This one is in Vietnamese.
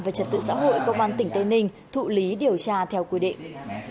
về trật tự xã hội công an tỉnh tây ninh thụ lý điều tra theo quy định